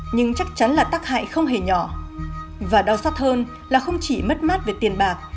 nhưng chắc chắn là tác hại không hề nhỏ và đau sắc hơn là không chỉ mất mát về tiền bạc